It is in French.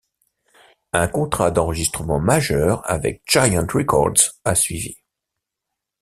Un contrat d'enregistrement majeur avec Giant Records a suivi.